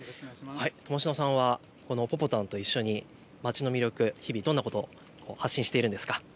笘篠さんはぽぽたんと一緒に街の魅力、日々どんなことを発信しているんですか。